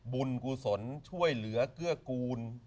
กุศลช่วยเหลือเกื้อกูล